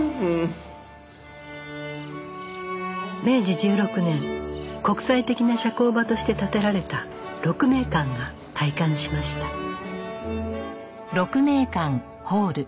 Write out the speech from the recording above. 明治１６年国際的な社交場として建てられた鹿鳴館が開館しました